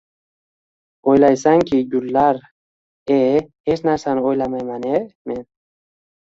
— O‘ylaysanki, gullar...— E, hech narsani o‘ylamayman-e, men!